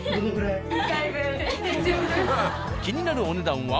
気になるお値段は。